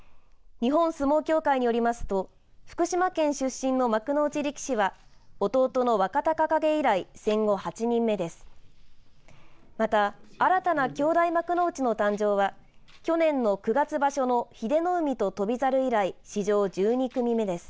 日本相撲協会によりますと福島県出身の幕内力士は弟の若隆景以来戦後８人目です。